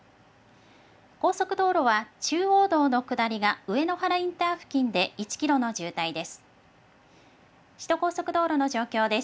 高速道路は、中央道の下りがうえのはらインター付近で１キロの渋滞です。